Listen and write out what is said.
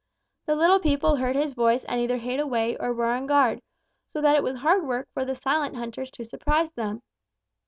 The little people heard his voice and either hid away or were on guard, so that it was hard work for the silent hunters to surprise them.